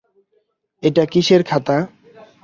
– এটা কিসের খাতা?